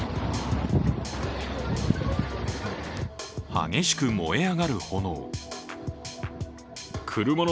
激しく燃え上がる炎。